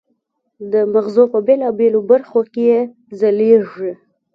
د مغزو په بېلابېلو برخو کې یې ځلېږي.